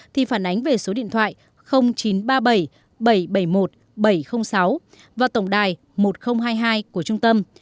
thì phản ánh về số điện thoại chín trăm ba mươi bảy bảy trăm bảy mươi một bảy trăm linh sáu và tổng đài một nghìn hai mươi hai của trung tâm